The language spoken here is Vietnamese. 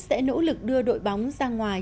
sẽ nỗ lực đưa đội bóng ra ngoài